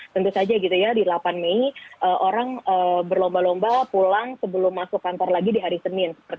tentu saja gitu ya di delapan mei orang berlomba lomba pulang sebelum masuk kantor lagi di hari senin